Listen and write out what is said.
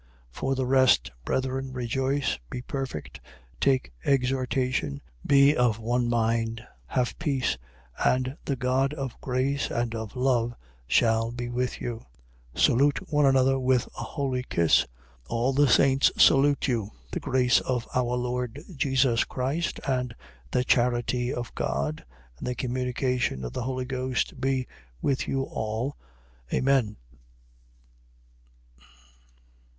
13:11. For the rest, brethren, rejoice, be perfect, take exhortation, be of one mind, have peace. And the God of grace and of love shall be with you. 13:12. Salute one another with a holy kiss. All the saints salute you. 13:13. The grace of our Lord Jesus Christ and the charity of God and the communication of the Holy Ghost be with you all. Amen.